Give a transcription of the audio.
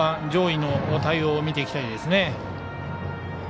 上位の対応を見ていきたいですね。